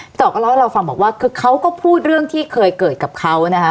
ต่อก็เล่าให้เราฟังบอกว่าคือเขาก็พูดเรื่องที่เคยเกิดกับเขานะคะ